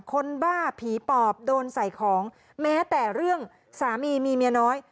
บ้าผีปอบโดนใส่ของแม้แต่เรื่องสามีมีเมียน้อย